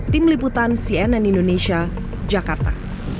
tim liputan cnn indonesia jakarta